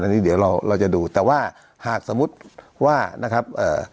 อันนี้เดี๋ยวเราเราจะดูแต่ว่าหากสมมุติว่านะครับเอ่อ